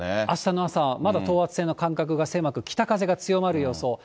あしたの朝、まだ等圧線の間隔が狭く、北風が強まる予想。